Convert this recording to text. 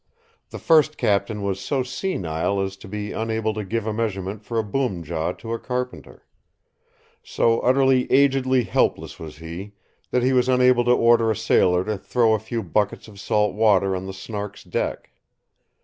The first captain was so senile as to be unable to give a measurement for a boom jaw to a carpenter. So utterly agedly helpless was he, that he was unable to order a sailor to throw a few buckets of salt water on the Snark's deck.